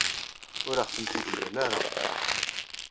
Ur aɣ-tent-id-yemla ara.